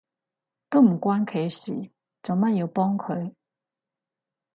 都唔關佢事，做乜要幫佢？